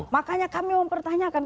makanya kami mau pertanyakan